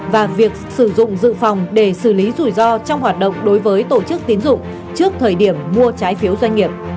và việc sử dụng dự phòng để xử lý rủi ro trong hoạt động đối với tổ chức tiến dụng trước thời điểm mua trái phiếu doanh nghiệp